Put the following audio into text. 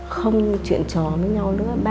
không chuyện trò với nhau nữa